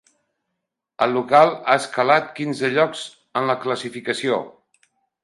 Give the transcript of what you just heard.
El local ha escalat quinze llocs en la classificació.